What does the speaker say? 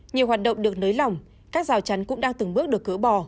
nhiều hoạt động được nới lỏng các rào chắn cũng đang từng bước được gỡ bỏ